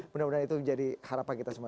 mudah mudahan itu menjadi harapan kita semua